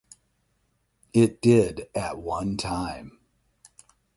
It did at one time.